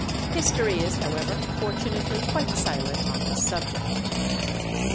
History is, however, fortunately, quite silent on this subject.